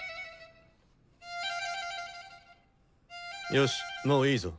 よしもういいぞ。